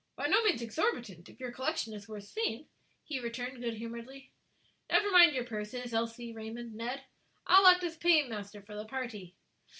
"By no means exorbitant if your collection is worth seeing," he returned, good humoredly. "Never mind your purses, Elsie, Raymond, Ned, I'll act as paymaster for the party."